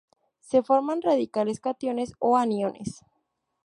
Se forman radicales cationes o aniones.